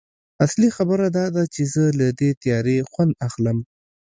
اصلي خبره دا ده چې زه له دې تیارې خوند اخلم